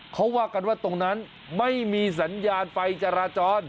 เขาว่ากันว่าตรงนั้นไม่มีสัญญาณไฟจราจร